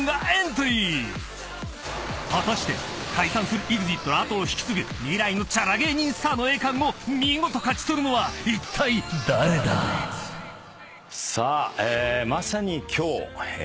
［果たして解散するＥＸＩＴの後を引き継ぐ未来のチャラ芸人スターの栄冠を見事勝ち取るのはいったい誰だ？］さあ。